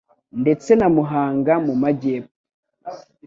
ndetse na Muhanga mu majyepfo,